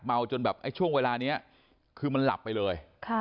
จนแบบไอ้ช่วงเวลานี้คือมันหลับไปเลย